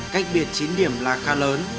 cách biệt chín điểm là khá lớn